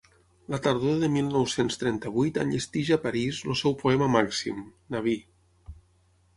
La tardor de mil nou-cents trenta-vuit enllesteix a París el seu poema màxim, Nabí.